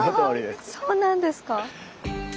あそうなんですか。